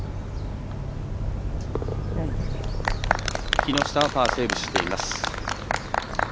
木下はパーセーブしています。